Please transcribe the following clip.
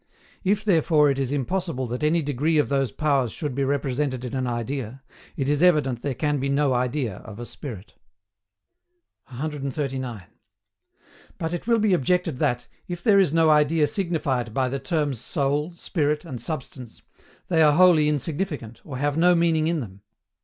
If therefore it is impossible that any degree of those powers should be represented in an idea, it is evident there can be no idea of a spirit. 139. But it will be objected that, if there is no idea signified by the terms soul, spirit, and substance, they are wholly insignificant, or have no meaning in them.